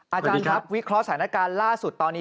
อาจารย์ครับวิเคราะห์สถานการณ์ล่าสุดตอนนี้